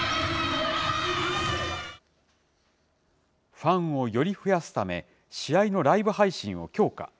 ファンをより増やすため、試合のライブ配信を強化。